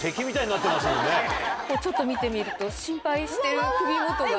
ちょっと見てみると心配してる首元が。